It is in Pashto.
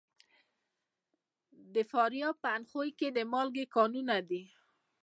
د فاریاب په اندخوی کې د مالګې کانونه دي.